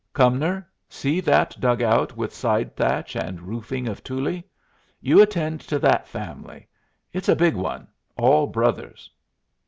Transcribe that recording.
Cumnor, see that dugout with side thatch and roofing of tule? You attend to that family. It's a big one all brothers."